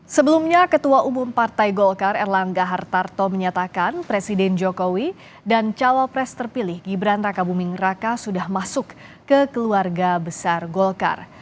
sebelumnya ketua umum partai golkar erlangga hartarto menyatakan presiden jokowi dan cawapres terpilih gibran raka buming raka sudah masuk ke keluarga besar golkar